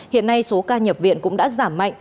hiện nay số ca nhập viện cũng đã giảm mạnh